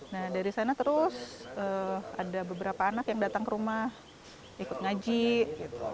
nah dari sana terus ada beberapa anak yang datang ke rumah ikut ngaji gitu